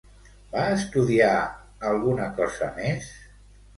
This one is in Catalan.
Va estudiar alguna cosa més?